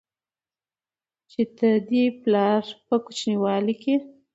چې ته دې پلار په کوچينوالي کې